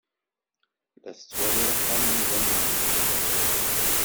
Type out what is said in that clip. La tettwalid axxam-nni amellal?